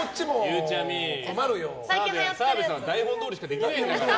ゆうちゃみ澤部さんは台本どおりしかできないんだから。